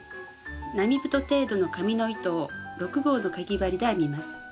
並太程度の紙の糸を６号のかぎ針で編みます。